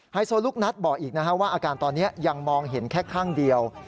โซลูกนัทบอกอีกว่าอาการตอนนี้ยังมองเห็นแค่ข้างเดียว